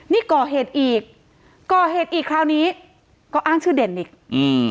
นี่ก่อเหตุอีกก่อเหตุอีกคราวนี้ก็อ้างชื่อเด่นอีกอืม